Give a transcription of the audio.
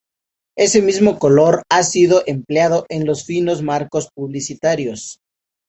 Ese mismo color ha sido empleado en los finos marcos publicitarios.